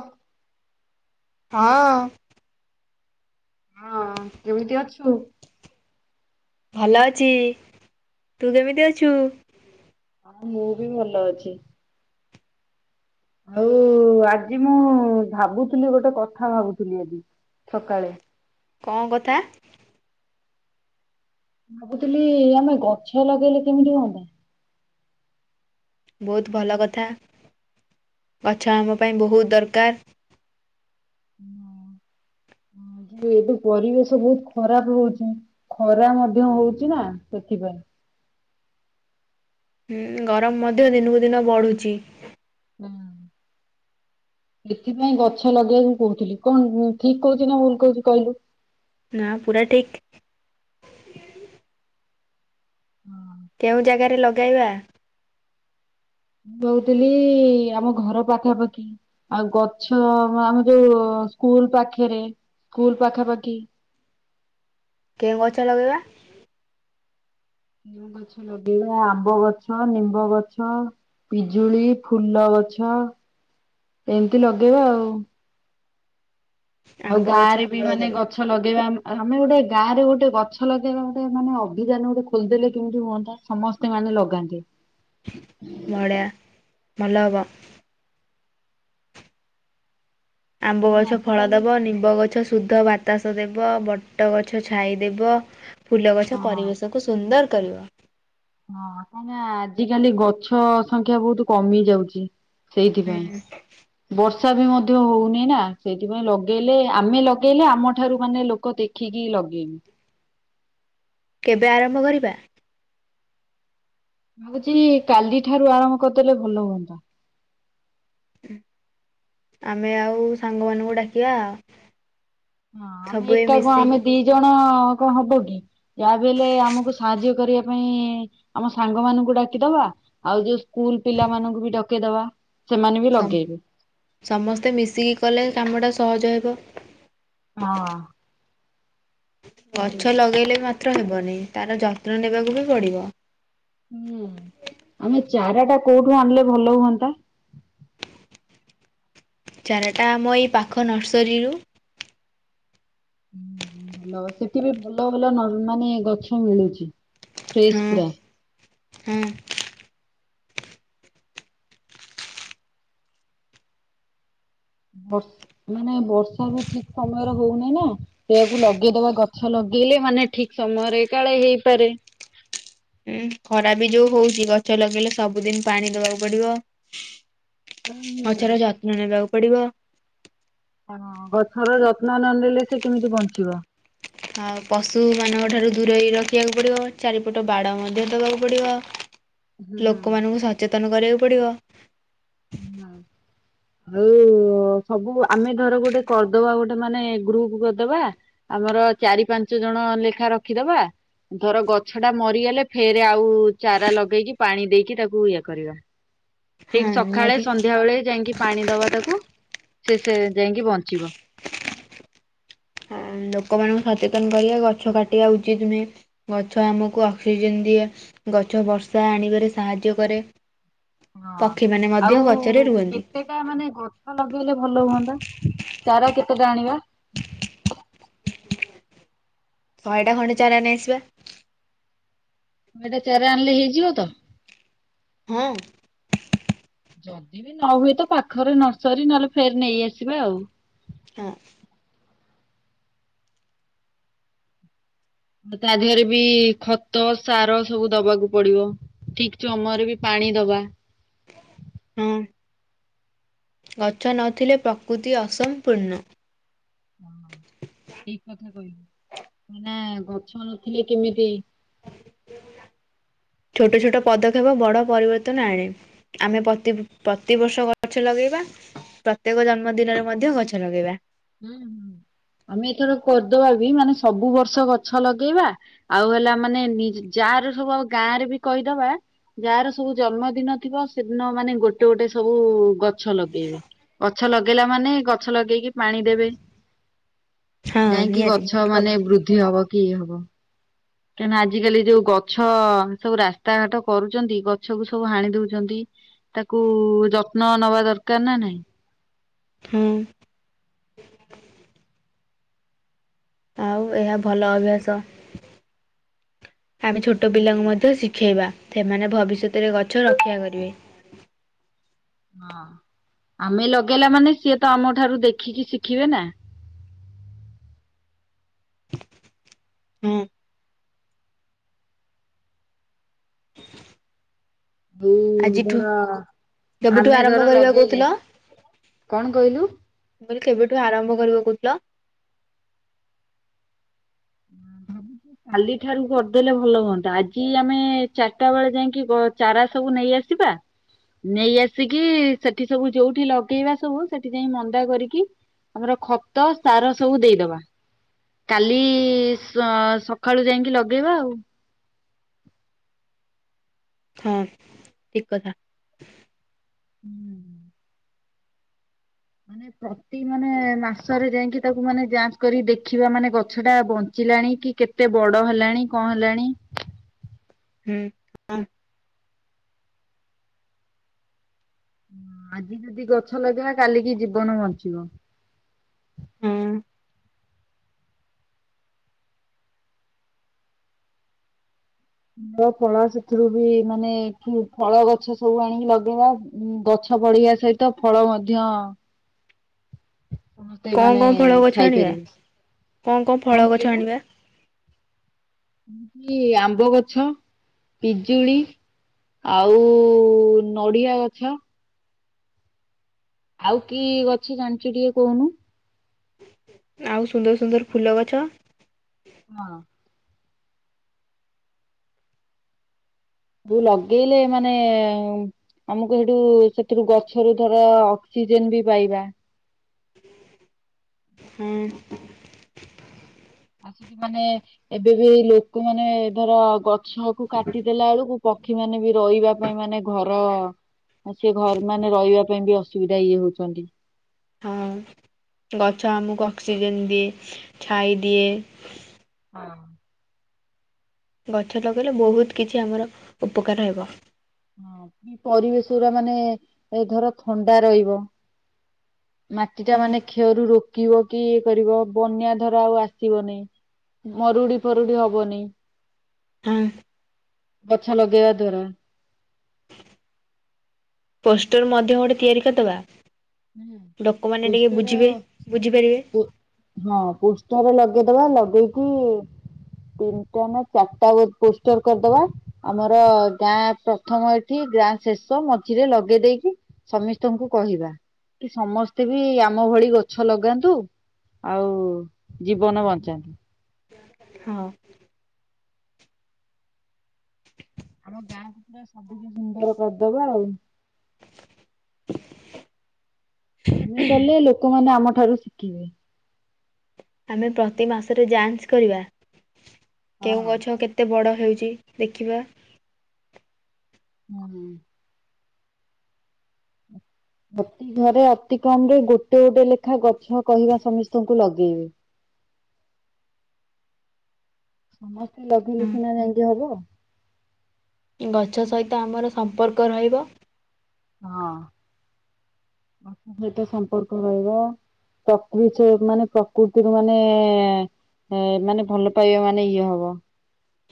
ହଁ। ହଁ। ହଁ କେମିତି ଅଛୁ? ଭଲ ଅଛି, ତୁ କେମିତି ଅଛୁ? ହଁ ମୁଁ ବି ଭଲ ଅଛି। ଆଉ ଆଜି ମୁଁ ଭାବୁଥିଲି ଗୋଟେ କଥା ଭାବୁଥିଲି ଆଜି ସକାଳେ କଣ କଥା? ଭାବୁଥିଲି ଆମେ ଗଛ ଲଗେଇଲେ କେମିତି ହୁଅନ୍ତା? ବହୁତ ଭଲ କଥା ଗଛ ଆମ ପାଇଁ ବହୁତ ଦରକାର ଏଠୁ ପରିବେଶ ବହୁତ ଖରାପ ହଉଛି, ଖରା ମଧ୍ୟ ହଉଛି ନା ସେଥିପାଇଁ ହୁଁ ଗରମ ମଧ୍ୟ ଦିନକୁ ଦିନ ବଢୁଛି ହୁଁ। ସେଥିପାଇଁ ଗଛ ଲଗେଇବାକୁ କହୁଥିଲି, କଣ ଠିକ କହୁଛି ନା ଭୁଲ କହୁଛି କହିଲୁ ନା ପୁରା ଠିକ। ହଁ। କେଉଁ ଜାଗାରେ ଲଗେଇବା? ମୁଁ କହୁଥିଲି ଆମ ଘର ପାଖାପାଖି ଆଉ ଗଛ ଆମ ଯୋଉ ତ ସ୍କୁଲ ପାଖରେ ସ୍କୁଲ ପାଖାପାଖି କେଉଁ ଗଛ ଲଗେଇବା? କେଉଁ ଗଛ ଲଗେଇବା ଆମ୍ବ ଗଛ ନିମ୍ବ ଗଛ ପିଜୁଳି ଫୁଲ ଗଛ ଏମିତି ଲଗେଇବା ଆଉ ଆଉ ଆମ୍ବ ଗାଁ ଗଛ ରେ ବି ଫଳ ମାନେ ଦେବ ଗଛ ଲଗେଇବା ଆମ ଆ ଆମେ ଗୋଟେ ଗାଁରେ ଗୋଟେ ଗଛ ଲଗେଇବା ଗୋଟେ ମାନେ ଅଭିଯାନ ଗୋଟେ ଖୋଲିଦଲେ କେମିତି ହୁଅନ୍ତା ସମସ୍ତେ ମାନେ ଲଗାନ୍ତେ ବଢିଆ ଭଲ ହବ ଆମ୍ବ ମାନେ ଗଛ ଫଳ ଆଜିକାଲି ଦବ ନିମ୍ବ ଗଛ ଶୁଦ୍ଧ ବାତାସ ଦେବ ବଟ ଗଛ ଛାଇ ଦେବ ଫୁଲ ହଁ ଗଛ ପରିବେଶକୁ ସୁନ୍ଦର କରିବ ହଁ କାହିଁକ ନା ଆଜି କାଲି ଗଛ ସଂଖ୍ୟା ବହୁତ କମି ଯାଉଚି ସେଇଥିପାଇଁ ହୁଁ ବର୍ଷ ବର୍ଷା ବି ମଧ୍ୟ ହଉନି ନା ସେଇଥିପାଇଁ ଲଗେଇଲେ ଆମେ ଲଗେଇଲେ ଆମଠାରୁ ମାନେ ଲୋକ ଦେଖିକି ଲ ଲଗେଇବୁ କେବେ ଆରମ୍ଭ କରିବା? ଭାବୁଛି କାଲି ଠାରୁ ଆରମ୍ଭ କରିଦେଲେ ଭଲ ହୁଅନ୍ତା ଆମେ ଆଉ ସାଙ୍ଗମାନାନଙ୍କୁ ଡାକିବା ହଁ ଆମେ ସବୁ ଏ ଏକା କଣ ଆମେ ମିଶିକି ଦି ଜଣ ଆ କଣ ହବ କି ଯାହା ବି ହେଲେ ଆମକୁ ସାହାଯ୍ୟ କରିବା ପାଇଁ ଆମ ସାଙ୍ଗ ମାନଙ୍କୁ ଡାକିଦବା ଆଉ ଯୋଉ ସ୍କୁଲ ପିଲା ମାନଙ୍କୁ ବି ଡକେଇଦବା ସେମାନେ ବି ସମ ଲଗେଇବେ। ସମସ୍ତେ ମିଶିକି କଲେ କାମଟା ସହଜ ହେବ ହଁ। ଗଛ ଲଗେଇଲେ ମାତ୍ର ହେବନି ତାର ଯତ୍ନ ନେବାକୁ ବି ପଡିବ ହୁଁ ଆମେ ଚାରା ଟା କୋଉଠୁ ଆଣିଲେ ଭଲ ହୁଅନ୍ତା? ଚାରାଟା ଆମ ଏଇ ପାଖ ନର୍ସରୀରୁ। ହଁ ଭଲ ସେଠି ବି ଭଲ ଭଲ ନ ମାନେ ଗଛ ମିଳୁଚି ହଁ ହଁ। ବଷ ମାନେ ବର୍ଷା ବି ଠିକ ସମୟରେ ହଉନି ନା ସେଆକୁ ଲଗେଇଦବା ଗଛ ଲଗେଇ ଗେଇଲେ ମାନେ ଠିକ ସମୟରେ କାଳେ ହେଇପାରେ ହୁଁ। ଖରା ବି ଯୋଉ ହଉଛି ଗଛ ଲଗେଇଲେ ସବୁଦିନ ପାଣି ଦବାକୁ ପଡିବ ହୁଁ ହୁଁ। ଗଛର ଯତ୍ନ ନେବାକୁ ପଡିବ ହଁ ଗଛର ଯତ୍ନ ନନେଲେ ସେ କେମିତି ବଞ୍ଚିବ? ଆଉ ପଶୁମାନଙ୍କ ଠାରୁ ଦୂରେଇ ରଖିବାକୁ ପଡ଼ିବ ଚାରିପଟ ବାଡ଼ ମଧ୍ୟ ଦେବାକୁ ପଡ଼ିବ ହୁଁ। ଲୋକମାନଙ୍କୁ ସଚେତନ କରିବାକୁ ପଡିବ ହୁଁ। ଆଉ ସବୁ ଆମେ ଧର ଗୋଟେ କରିଦବା ଗୋଟେ ମାନେ ଗ୍ରୁପ କରଦବା ଆମର ଚାରି ପାଞ୍ଚ ଜଣ ଲେଖା ରଖିଦବା ଧର ଗଛ ଟା ମରିଗଲେ ଫେରେ ଆଉ ଚାରା ଲଗେଇକି ପାଣି ଦେଇକି ତାକୁ ଇଏ କରିବା ହଁ ଠିକ୍ ସକାଳେ ନିହାତି। ସନ୍ଧ୍ୟାବେଳେ ଯାଇକି ପାଣିଦବା ତାକୁ ସେ ସେ ଯାଇଁକି ବଞ୍ଚିବ। ଏଁ ଲୋକମାନଙ୍କୁ ସଚେତନ କରିବା ଗଛ କାଟିଆ ଉଚିତ୍ ନୁହେଁ ଗଛ ଆମକୁ ଅକ୍ସିଜେନ୍ ଦିଏ। ଗଛ ବର୍ଷା ଆଣିବାରେ ସାହାଯ୍ୟ କରେ ହଁ ପକ୍ଷୀମାନେ ମଧ୍ୟ ଆଉ ଗଛରେ ରୁହନ୍ତି କେତେଟା ମାନେ ଗଛ ଲଗେଇଲେ ଭଲ ହୁଅନ୍ତା? ଚାରା କେତେଟା ଆଣିବା? ଶହେଟା ଖଣ୍ଡେ ଚାରା ନେଇ ଆସିବା। ଶହେ ଟା ଚାରା ଆଣିଲେ ହେଇଯିବ ତ? ହଁ। ଯଦି ବି ନ ହୁଏ ତ ପାଖରେ ନର୍ସରୀ ନଏଲେ ଫେର୍ ନେଇ ଆସିବା ଆଉ। ହଁ। ତା ଧିଏରେ ବି ଖତ ସାର ସବୁ ଦବାକୁ ପଡ଼ିବ। ଠିକ୍ ଚମୟରେ ବି ପାଣି ଦବା। ହଁ ଗଛ ନଥିଲେ ପ୍ରକୃତି ଅସମ୍ପୂର୍ଣ୍ଣ। ହ ଠିକ କଥା କହିଲେ ମାନେ ଗଛ ନଥିଲେ କେମିତି। [inaudible] ଛୋଟ ଛୋଟ ପଦକ୍ଷେପ ବଡ଼ ପରିବର୍ତ୍ତନ ଆଣେ ଆମେ ପତି ପ୍ରତିବର୍ଷ ଗଛ ଲଗେଇବା। ପ୍ରତେକ ଜନ୍ମ ଦିନରେ ମଧ୍ୟ ଗଛ ଲଗେଇବା। ହୁଁ ହୁଁ। ଆମେ ଏଥର କରି ଦବା ବି ମାନେ ସବୁ ବର୍ଷ ଗଛ ଲଗେଇବା ଆଉ ହେଲା ମାନେ ନି ଯା ଆରେ ସବୁ ଆଉ ଗାଁ ରେ ବି କହିଦବା। ଯାଆର ସବୁ ଜନ୍ମଦିନ ଥିବ ସେଦିନ ମାନେ ଗୋଟେ ଗୋଟେ ସବୁ ଗଛ ଲଗେଇବେ। ଗଛ ଲଗେଇଲା ମାନେ ଗଛ ଲଗେଇକି ପାଣିଦେବେ। ହଁ ଜାଇଁକି ନିହାତି ଗଛ ବହୁତ ଭଲ ମାନେ ବୃଦ୍ଧିହବ କି ଇଏ ହବ। କାଇଁନା ଆଜିିକାଲି ଯୋଉ ଗଛ ସବୁ ରାସ୍ତାଘାଟ କରୁଚନ୍ତି ଗଛକୁ ସବୁ ହାଣି ଦଉଚନ୍ତି। ତାକୁ ଯତ୍ନ ନବା ଦରକାର୍ ନା ନାଇଁ। ହୁଁ। ଆଉ ଏହା ଭଲ ଅଭ୍ୟାସ। ଆମେ ଛୋଟ ପିଲାଙ୍କୁ ହୁଁ ମଧ୍ୟ ଶିଖେଇବା। ସେମାନେ ଭବିଷ୍ୟତରେ ଗଛ ରକ୍ଷା କରିବେ। ହଁ ଆମେ ଲଗେଇଲା ମାନେ ସିଏ ତ ଆମ ଠାରୁ ଦେଖିକି ଶିଖିବେ ନା। [unintelligible] ହୁଁ। ଯୋଉ ଆଜିଠୁ ଧର କେବେଠୁ ଆମେ ଧର ଆରମ୍ଭ କରିବା ଲଗେଇଲେ କହୁଥିଲ? କଣ କହିଲୁ? ମୁଁ କହିଲି କେବେଠୁ ଆରମ୍ଭ କରିବ କହୁଥିଲ? ଉଁ। କାଲି ଠାରୁ କରିଦେଲେ ଭଲ ହୁଅନ୍ତା ଆଜି ଆମେ ଚାର ଟା ବେଳେ ଯାଇକି ଚାରା ସବୁ ନେଇ ଆସିବା। ନେଇଆସିକି ସେଠିସବୁ ଯୋଉଠି ଲଗେଇବା ସବୁ ସେଠି ଯାଇ ମନ୍ଦା କରିକି। ଆମର ଖତ ସାର ସବୁ ଦେଇଦବା। କାଲି ସ ସଖାଳୁ ଯାଇକି ଲଗେଇବା ଆଉ। ହଁ ଠିକ୍ କଥା। ହୁଁ। ମାନେ ପ୍ରତି ମାନେ ମାସରେ ଯାଇକି ତାକୁ ମାନେ ଯାଞ୍ଚ୍ କରି ଦେଖିବା ମାନେ ଗଛଟା ବଞ୍ଚି ଲାଣି କି କେତେ ବଡ଼ ହେଲାଣି କଣ ହେଲାଣି। ହୁଁ ହଁ। ଆଜିଯଦି ଗଛ ଲଗେଇବା କାଲିକି ଜୀବନ ବଞ୍ଚିବ। ହୁଁ ଫୁଲ ଫଳ ସେଥିରୁ ବି ମାନେ ଫୁ ଫଳଗଛ ସବୁ ଆଣିକି ଲଗେଇବା ଗଛ। ଗଛ ବଢିବା ସହିତ ଫଳ ମଧ୍ୟ। ସମସ୍ତେ କଣ ମାନେ କଣ ଫଳ ଗଛ ଆଣିବା? ଖାଇପାରିବେ କଣ ଫଳ କଣ ଗଛ କହିଲୁ? ଆଣିବା ମୁଁ କହିଲି ଆମ୍ବ ଗଛ ପିଜୁଳି। ଆଉ ନଡିଆ ଗଛ। ଆଉ କି ଗଛ ଜାଣିଚୁ ଟିକେ କହୁନୁ। ଆଉ ସୁନ୍ଦର ସୁନ୍ଦର ଫୁଲ ଗଛ। ହଁ। ଯୋଉ ଲଗେଇଲେ ମାନେ। ଆମକୁ ସେଠୁ ସେଥିରୁ ଗଛରୁ ଧର ଅକ୍ସିଜେନ ବି ପାଇବା। ହୁଁ। ଆଉ ସେଠି ମାନେ ଏବେ ବି ଲୋକମାନେ ଧର ଗଛ କୁ କାଟି ଦେଲାଏଳୁକୁ ପ ପକ୍ଷୀ ମାନେ ବି ରହିବା ପାଇଁ ମାନେ ଘର। ଆଉ ସେ ଘର ମାନେ ରହିବା ପାଇଁ ବି ଅସୁବିଧା ଇଏ ହଉଛନ୍ତି। ହଁ ଗଛ ଆମକୁ ଅକ୍ସିଜେନ ଦିଏ, ଛାଇ ଦିଏ। ହଁ। ଗଛ ଲଗେଇଲେ ବହୁତ କିଛି ଆମର ଉପକାର ହେବ। ହଁ ପରିବେଶ ଉରା ମାନେ ଏ ଧର ଥଣ୍ଡା ରହିବ। ମାଟି ଟା ହୁଁ। ମାନେ କ୍ଷୟରୁ ରୋକିବ କି ଇଏ କରିବ ବନ୍ୟା ଧର ଆଉ ଆସିବ ନେଇ। ମରୁଡି ଫରୁଡି ହବନି। ହୁଁ। ଗଛ ଲଗେଇବା ଦ୍ୱାରା। ପୋଷ୍ଟର୍ ମଧ୍ୟ ଗୋଟେ ତିଆରି କରିଦବା। ହୁଁ ଲୋକମାନେ ଟିକେ ପୋଷ୍ଟର ବୁଝିବେ ବୁଝିପାରିବେ ଉ ହଁ ପୋଷ୍ଟର ଲଗ ଲଗେଇଦବା ଲଗେଇକି ତିନିଟା ନା ଚାରିଟା ବ ପୋଷ୍ଟର୍ କରିଦବା, ଆମର ଗାଁ ପ୍ରଥମ ଏଠି ଗାଁ ଶେଷ, ମଝିରେ ଲଗେଇ ଦେଇକି ସମିସ୍ତଙ୍କୁ କହିବା। କି ସମସ୍ତେ ବି ଆମ ଭଳି ଗଛ ଲଗାନ୍ତୁ ଆଉ ଜୀବନ ବଞ୍ଚାନ୍ତୁ। ହଁ ଆମ ଗାଁକୁ ପୁରା ସବୁଜ ସୁନ୍ଦର କରିଦବା ଆଉ। ଆମେ କଲେ ଲୋକମାନେ ଆମ ଠାରୁ ଶିଖିବେ। ଆମେ ପ୍ରତି ମାସରେ ଯାଞ୍ଚ କରିବା, କେଉଁ ଗଛ କେତେ ବଡ ହେ ହେଉଛି ଦେଖିବା। ହୁଁ। [inaudible] ପ୍ରତି ଘରେ ଅତି କମ୍ ରେ ଗୋଟେ ଗୋଟେ ଲେଖା ଗଛ କହିବା ସମସ୍ତଙ୍କୁ ଲଗେଇବେ। [inaudible] ସମସ୍ତେ ଲଗେଇଲେ ସିନା ହଁ ଯାଇକି ହବ। ଗଛ ସହିତ ଆମର ସମ୍ପର୍କ ରହିବ। ହଁ ଗଛ ସହିତ ସମ୍ପର୍କ ରହିବ। ପ୍ରକୃତ ମାନେ ପ୍ରକୃତିରୁ ମାନେ-ଏ-ଏ ଏ ମାନେ ଭଲ ପାଇବା ମାନେ ଇଏ ହବ।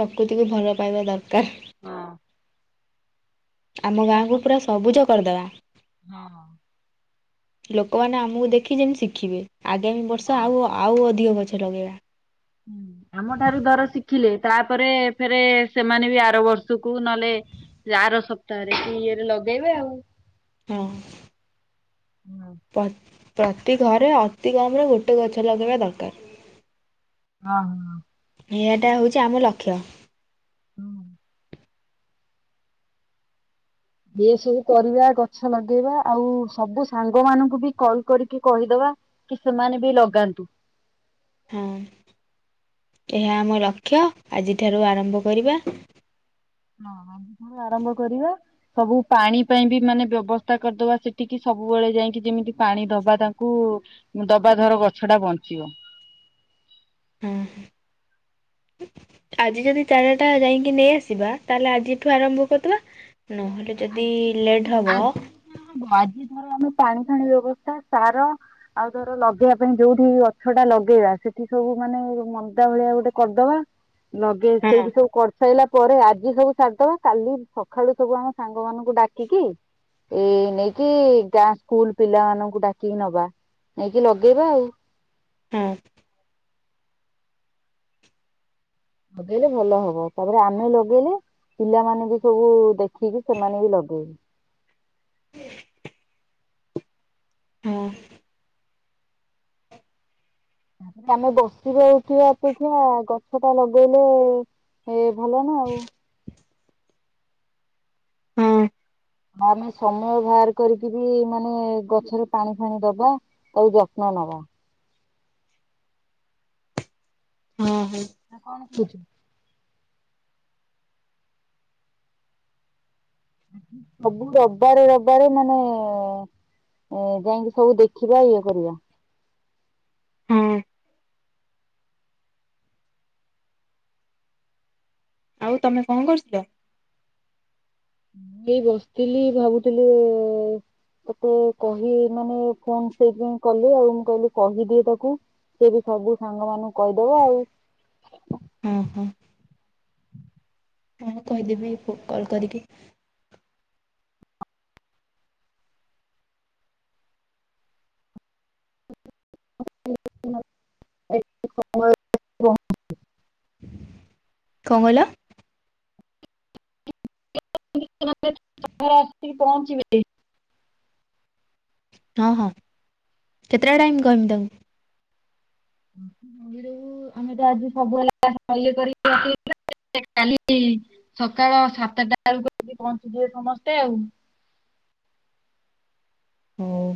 ପ୍ରକୃତିକୁୁ ଭଲ ପାଇବା ଦର୍କାର୍। ହଁ। ଆମ ଗାଁକୁୁ ପୁରା ସବୁଜ କରଦବା। ହଁ। ଲୋକମାନେ ଆମକୁ ଦେଖି ଯେମିତି ଶିଖିବେଜ ଆଗାମୀ ବର୍ଷ ହଁ। ଆଉ ଆଉ ଅଧ ଦଧିକ ଗଛ ଲଗେଇବା। ହୁଁ ଆମ ଠାରୁ ଧର ଶିଖିଲେ ତାପରେ ଫେରେ ସେମାନେ ବି ଆର ବର୍ଷକୁ ନହେଲେ ଆର ସପ୍ତାହରେ କି ଇଏରେ ଲଗେଇବେ ଆଉ। ହଁ। ପ ପ୍ରତି ଘରେ ଅତି କମରେ ଗୋଟେ ଗଛ ଲଗେଇବା ଦରକାର। ଆଁ ହଁ। ଏହାଟା ହେଉଛି ଆମ ଲକ୍ଷ୍ୟ। ହୁଁ। ଏ ସବୁ କରିବା, ଗଛ ଲଗେଇବା, ଆଉ ସବୁ ସାଙ୍ଗମାନଙ୍କୁ ବି କଲ କରିକି କହିଦବା କି ସେମାନେ ବି ଲଗାନ୍ତୁ। ହଁ। ଏହା ଆମ ଲକ୍ଷ୍ୟ ଆଜିଠାରୁ ଆରମ୍ଭ କରିବା। ହଁ ଆ-ଆରମ୍ଭ କରିବା ସବୁ ପାଣି ପାଇଁ ବି ମାନେ ବ୍ୟବସ୍ଥା କରିଦବା ସେଠିକି ସବୁ ସବୁବେଳେ ଯାଇକି ଯେମିତି ପାଣି ଦବା ତାଙ୍କୁ, ଦବା ଧର ଗଛଟା ବଞ୍ଚିବ। ହ [inaudible] ହୁଁ। ଆଜି ଯଦି ଚାରା ଟା ଯାଇକି ନେଇ ଆସିବା ତାହେଲେ ଆଜିଠୁ ଆରମ୍ଭ କରିଦବା ନହେଲେ ଯଦି ଲେଟ୍ ହବ [unintelligible] ଆମ ପାଣି ଫାଣି ବ୍ୟବସ୍ଥା ସାର ଆଉ ଧର ଲଗେଇବା ପାଇଁ ଯୋଉଠି ଗଛ ଟା ଲଗେଇବା ସେ ସେଠି ସବୁ ମାନେ ମନ୍ଦା ଭଳିଆ ଗୋଟେ କରିଦବା ଲଗେଇ ହଁ ସେଇଠୀ ସବୁ କରିସାରିଲା ପରେ ଆଜି ସବୁ ସାରିଦବା କାଲି ସକାଳୁ ସବୁ ଆମେ ସାଙ୍ଗମାନଙ୍କୁ ଡାକିକି ଏଇ ନେଇକି ଗାଁ ସ୍କୁଲ ପିଲାମାନଙ୍କୁ ଡାକିକି ନବା ନେଇକି ଲଗେଇବା ଆଉ। ହଁ। ଲଗେଇଲେ ଭଲ ହବ ତାପରେ ଆମେ ଲଗେଇଲେ ପିଲାମାନେ ବି ସବୁ ଦେଖିକି ସେମାନେ ବି ଲଗେଇବେ। ହଁ। ତାପରେ ଆମେ ବସିବା ଉଠିବା ଅପେକ୍ଷା ଗଛଟା ଲଗେଇଲେ ଏ ଭଲ ନା ଆଉ। ହଁ। ଆମେ ସମୟ ବାହାର କରିକି ବି ମାନେ ଗଛରେ ପାଣି ଫାଣି ଦବା ଆଉ ଯତ୍ନ ନବା ହଁ। ହଁ। ଆ କଣ କହୁଛୁ ସବୁ ରବିବାରେ ରବିବାରେ ମାନେ ଏ ଯାଇକି ସବୁ ଦେଖିବା ଇଏ କରିବା ହଁ। ଆଉ ତମେ କଣ କରୁଥିଲ ମୁଁ ଏଇ ବସିଥିଲି ଭାବୁଥିଲି ମତେ କହି ମାନେ ଫୋନ ସେଇଥିପାଇଁ କଲି ଆଉ ମୁଁ କହିଲି କହିଦିଏ ତାକୁ ସିଏ ବି ସବୁ ସାଙ୍ଗ ମାନଙ୍କୁ କହିଦବ ଆଉ। ଓ ହୋ। ହଁ କହିଦେବି କଲ କରିକି। [unintelligible] [unintelligible] କଣ କହିଲ [unintelligible] ରେ ଆସି ପହଞ୍ଚିବେ। ହଁ ହଁ କେତେଟା ଟାଇମ୍ କହମି ତାଙ୍କୁ ଆମେ ତ ଆଜି ସବୁ [unintelligible] କାଲି ସକାଳ ସାତଟା ବେଳକୁ ଆସି ପହଞ୍ଚିଯିବେ ସମସ୍ତେ ଆଉ। [inaudible] ହଉ।